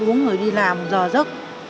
ăn uống rồi đi làm giờ giấc